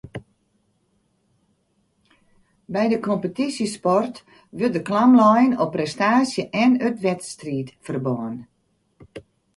By de kompetysjesport wurdt de klam lein op prestaasje en it wedstriidferbân